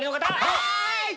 はい！